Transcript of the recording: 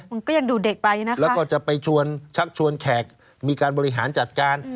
มันก็ยังดูเด็กไปนะคะแล้วก็จะไปชวนชักชวนแขกมีการบริหารจัดการ